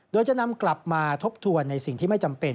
โดยจะนำกลับมาทบทวนในสิ่งที่ไม่จำเป็น